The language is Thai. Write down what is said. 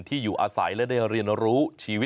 ตามแนวทางศาสตร์พระราชาของในหลวงราชการที่๙